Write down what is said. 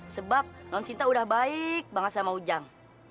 sebab daun sinta udah baik banget sama ujang